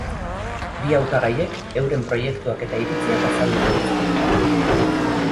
Bi hautagaiek euren proiektuak eta iritziak azaldu dituzte.